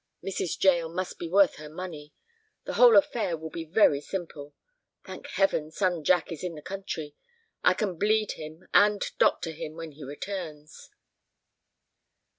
Mrs. Jael must be worth her money. The whole affair will be very simple. Thank Heaven, son Jack is in the country! I can bleed him and doctor him when he returns."